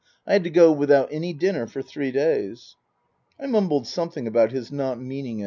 I had to go without any dinner for three days." I mumbled something about his rjot meaning it.